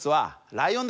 ライオン。